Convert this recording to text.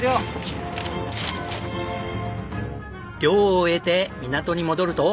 漁を終えて港に戻ると。